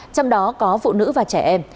trong đó có phụ nữ và trẻ em